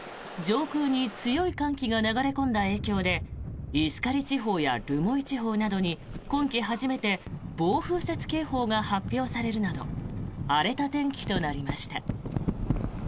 上空に強い寒気が流れ込んだ影響で石狩地方や留萌地方などに今季初めて暴風雪警報が発表されるなど荒れた天気となりました。